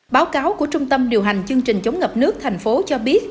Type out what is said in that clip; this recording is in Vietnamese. báo cáo của trung tâm điều hành chương trình chống ngập nước tp hcm cho biết